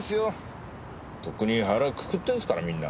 とっくに腹をくくってるんすからみんな。